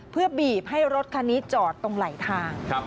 เพื่อบีบให้รถคันนี้จอดตรงไหลทาง